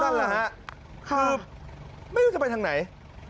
นั่นแหละฮะคือไม่รู้จะไปทางไหน